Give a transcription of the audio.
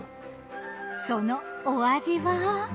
そのお味は。